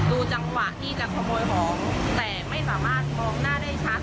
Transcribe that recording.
ดูจังหวะที่จะขโมยของแต่ไม่สามารถมองหน้าได้ชัด